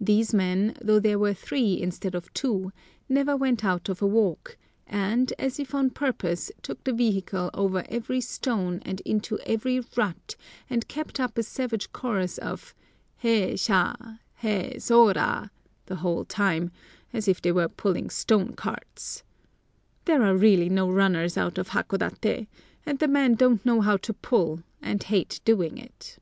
These men, though there were three instead of two, never went out of a walk, and, as if on purpose, took the vehicle over every stone and into every rut, and kept up a savage chorus of "haes ha, haes hora" the whole time, as if they were pulling stone carts. There are really no runners out of Hakodaté, and the men don't know how to pull, and hate doing it.